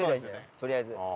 とりあえず。